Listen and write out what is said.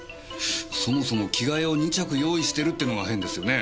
そもそも着替えを２着用意してるってのが変ですよね。